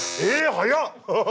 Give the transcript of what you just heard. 早っ！